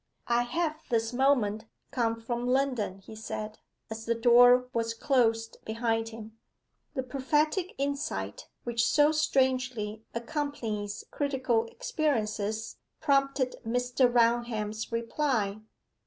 'I have this moment come from London,' he said, as the door was closed behind him. The prophetic insight, which so strangely accompanies critical experiences, prompted Mr. Raunham's reply.